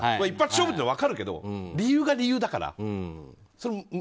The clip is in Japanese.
一発勝負なのも分かるけど理由が理由だから。